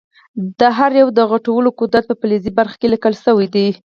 د هر یو د غټولو قدرت په فلزي برخه کې لیکل شوی دی.